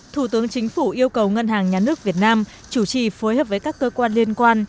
thủ tướng chính phủ yêu cầu ngân hàng nhà nước việt nam chủ trì phối hợp với các cơ quan liên quan